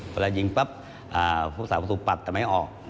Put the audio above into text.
เวลายิงปรับศัตรูปัดแต่ไม่ออก